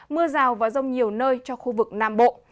mưa rào và rông nhiều nơi cho khu vực nam bộ